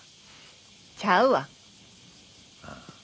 ちゃうわ。